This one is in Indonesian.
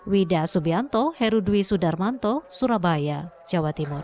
widah subianto heru dwi sudarmanto surabaya jawa timur